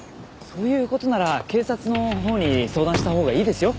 そういう事なら警察のほうに相談したほうがいいですよ。